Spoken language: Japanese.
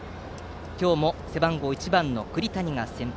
今日も背番号１番の栗谷が先発。